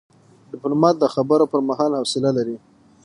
ډيپلومات د خبرو پر مهال حوصله لري.